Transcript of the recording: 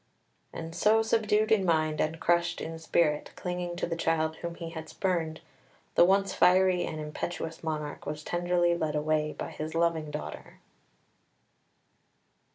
And so, subdued in mind and crushed in spirit, clinging to the child whom he had spurned, the once fiery and impetuous monarch was tenderly led away by his loving daughter.